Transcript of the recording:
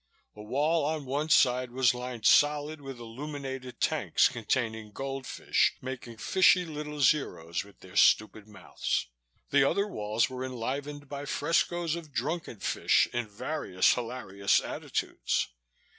The wall on one side was lined solid with illuminated tanks containing gold fish making fishy little zeros with their stupid mouths. The other walls were enlivened by frescoes of drunken fish in various hilarious attitudes.